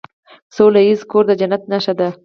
سوله ایز کور د جنت نښه ده.